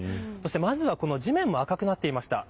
まずは、地面も赤くなっていました。